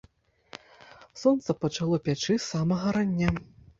Сонца пачало пячы з самага рання.